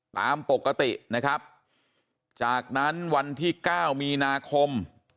ตามปกตินะครับจากนั้นวันที่เก้ามีนาคม